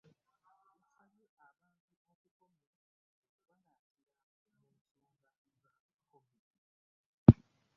Yasabye abantu okukomya okubalaatira mu nsonga za Covid